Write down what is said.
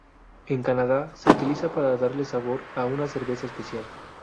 En Canadá, se utilizan para darle sabor a una cerveza especial.